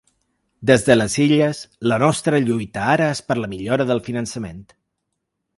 Des de les Illes, la nostra lluita ara és per la millora del finançament.